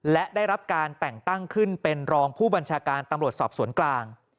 และได้รับการแต่งตั้งขึ้นเป็นรองผู้บัญชาการตำรวจสอบสวนกลาง